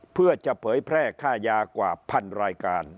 เพื่อจะเผยแพร่ค่ายากว่าพันรายการ